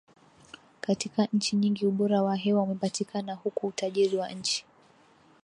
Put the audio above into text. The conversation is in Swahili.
Katika nchi nyingi ubora wa hewa umepatikana huku utajiri wa nchi